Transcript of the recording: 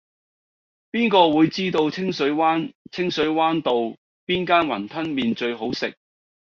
邊個會知道清水灣清水灣道邊間雲吞麵最好食